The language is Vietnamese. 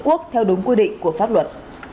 quốc theo đúng quy định của pháp luật